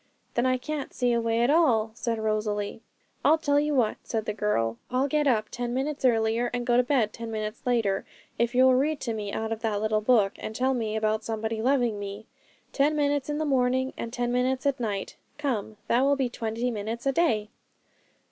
'Then I can't see a way at all,' said Rosalie. 'I'll tell you what,' said the girl; 'I'll get up ten minutes earlier, and go to bed ten minutes later, if you'll read to me out of that little book, and tell me about somebody loving me. Ten minutes in the morning and ten minutes at night: come, that will be twenty minutes a day!'